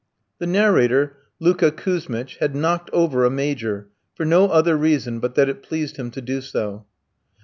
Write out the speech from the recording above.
The narrator, Luka Kouzmitch, had "knocked over" a Major, for no other reason but that it pleased him to do so.